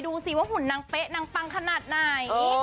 ดูสิว่าหุ่นนางเป๊ะนางปังขนาดไหน